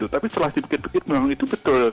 tapi setelah dibikin sedikit memang itu betul